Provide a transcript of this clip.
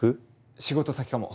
仕事先かも。